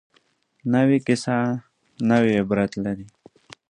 نوې کیسه نوې عبرت لري